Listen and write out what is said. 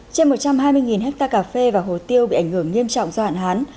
trên một trăm hai mươi hectare cà phê và hồ tiêu bị ảnh hưởng nghiêm trọng do hạn hán